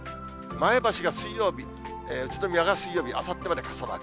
前橋が水曜日、宇都宮が水曜日、あさってまで傘マーク。